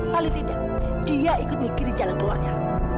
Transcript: paling tidak dia ikut mikir jalan keluarnya